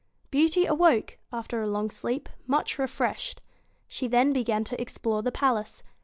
Beauty awoke, after a long sleep, much refreshed. She then began to explore the palace.